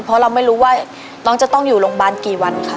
เพราะเราไม่รู้ว่าน้องจะต้องอยู่โรงพยาบาลกี่วันค่ะ